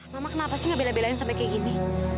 mama kenapa sih gak bela belain sampe kayak gini